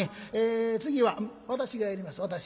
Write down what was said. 「私がやります私。